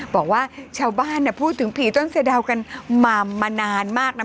บอกว่าชาวบ้านพูดถึงผีต้นสะดาวกันมานานมากนะ